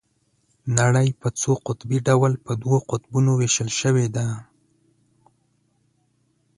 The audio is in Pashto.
نړۍ په څو قطبي ډول په دوو قطبونو ويشل شوې ده.